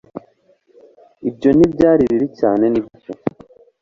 ibyo ntibyari bibi cyane, nibyo